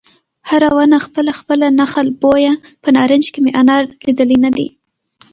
هره ونه خپله خپله نخل بویه په نارنج کې مې انار لیدلی نه دی